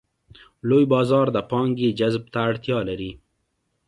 لوی بازار د پانګې جذب ته اړتیا لري.